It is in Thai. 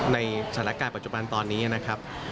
ในสถานการณ์ปัจจุบันตอนนี้นะครับ